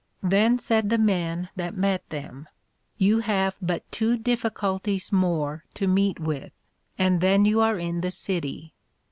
Then said the men that met them, You have but two difficulties more to meet with, and then you are in the City.